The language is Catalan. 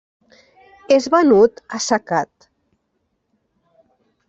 És venut assecat.